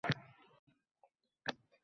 Xorazmning Durvadik patirini yeganmisiz